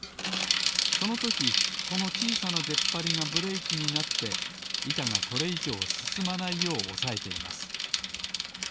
そのときこのちいさなでっぱりがブレーキになっていたがこれいじょうすすまないようおさえています。